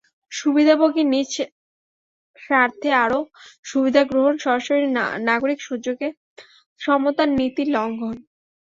সুবিধাভোগীর নিজ স্বার্থে আরও সুবিধা গ্রহণ সরাসরি নাগরিক সুযোগের সমতার নীতির লঙ্ঘন।